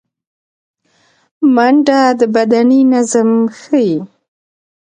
منډه د بدني نظم ښيي